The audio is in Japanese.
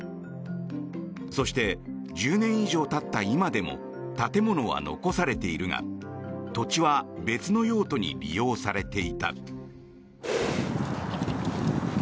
そして、１０年以上たった今でも建物は残されているが土地は別の用途に利用されていた。